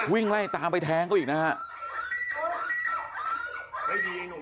วิ่งไล่ตามไปแทงเขาอีกนะครับ